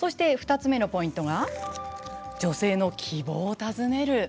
２つ目のポイントが女性の希望を尋ねる。